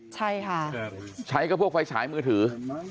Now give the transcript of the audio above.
ใช่ค่ะใช้กับพวกไฟฉายมือถือ